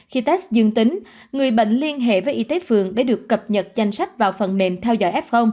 khi test dương tính người bệnh liên hệ với y tế phường để được cập nhật danh sách vào phần mềm theo dõi f